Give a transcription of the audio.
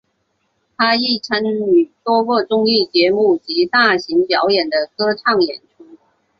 他亦曾参与多个综艺节目及大型表演的歌唱演出。